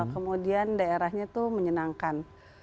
kemudian daerahnya tuh menyenangkan